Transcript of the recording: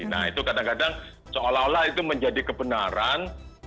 nah itu kadang kadang seolah olah itu menjadi kebenaran